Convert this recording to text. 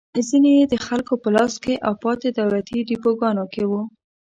ځینې یې د خلکو په لاس کې او پاتې دولتي ډېپوګانو کې وو.